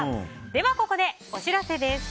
では、ここでお知らせです。